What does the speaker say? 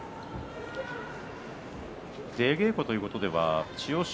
出稽古ということでは千代翔